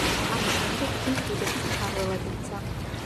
ამის შემდეგ იგი მშვიდობის მფარველად იქცა.